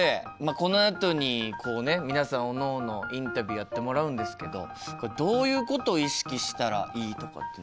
このあとにこうね皆さんおのおのインタビューやってもらうんですけどこれどういうことを意識したらいいとかっていうのはありますか？